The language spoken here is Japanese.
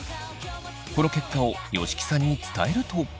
この結果を吉木さんに伝えると。